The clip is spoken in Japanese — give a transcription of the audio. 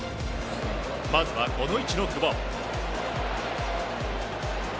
まずはこの位置の久保。